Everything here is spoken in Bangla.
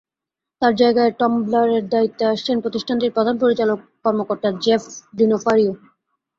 তার জায়গায় টাম্বলারের দায়িত্বে আসছেন প্রতিষ্ঠানটির প্রধান পরিচালন কর্মকর্তা জেফ ডিনোফারিও।